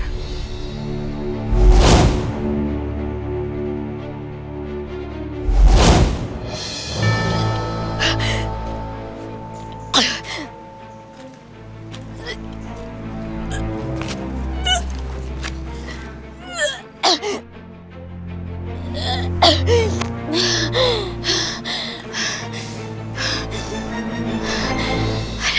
harian posisi gw